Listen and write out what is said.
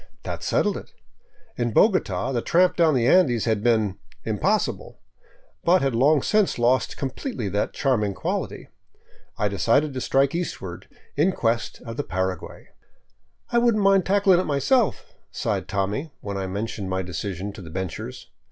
That settled it. In Bogota the tramp down the Andes had been " impossible," but had long since lost completely that charming quality. I decided to strike eastward in quest of the Paraguay. " I wouldn't mind tackling it myself," sighed Tommy, when I men tioned my decision to the benchers.